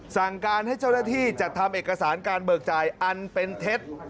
สั่งการให้เจ้าหน้าที่จัดทำเอกสารการเบิกจ่ายอันเป็นเท็จ